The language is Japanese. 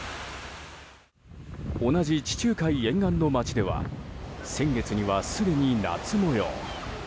同じ地中海沿岸の街では先月にはすでに夏模様。